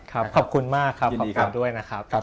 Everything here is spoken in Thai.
ครับขอบคุณมากขอบคุณมากด้วยนะครับ